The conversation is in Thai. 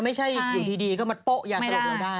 ไม่ใช่อยู่ดีก็มาโป๊ะยาสลบเราได้